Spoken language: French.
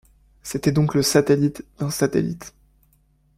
C’était donc le satellite d’un satellite!